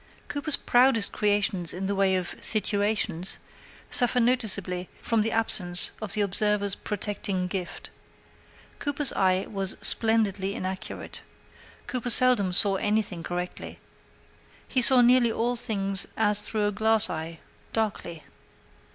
Cooper's proudest creations in the way of "situations" suffer noticeably from the absence of the observer's protecting gift. Cooper's eye was splendidly inaccurate. Cooper seldom saw anything correctly. He saw nearly all things as through a glass eye, darkly.